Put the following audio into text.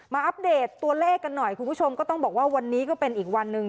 อัปเดตตัวเลขกันหน่อยคุณผู้ชมก็ต้องบอกว่าวันนี้ก็เป็นอีกวันหนึ่ง